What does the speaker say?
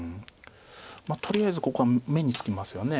まあとりあえずここは目につきますよね。